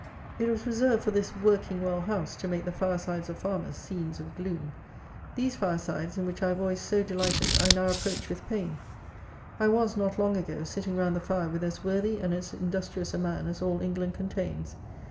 It was reserved for this "working well" House to make the fire sides of farmers scenes of gloom. These fire sides, in which I have always so delighted, I now approach with pain. I was, not long ago, sitting round the fire with as worthy and as industrious a man as all England contains.